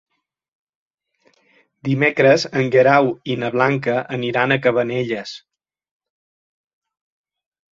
Dimecres en Guerau i na Blanca aniran a Cabanelles.